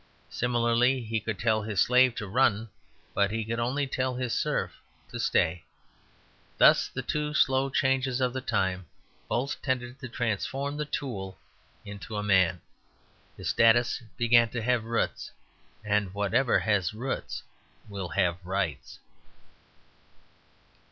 Similarly, he could tell his slave to run, but he could only tell his serf to stay. Thus the two slow changes of the time both tended to transform the tool into a man. His status began to have roots; and whatever has roots will have rights.